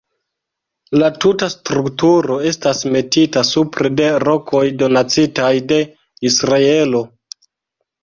La tuta strukturo estas metita supre de rokoj donacitaj de Israelo.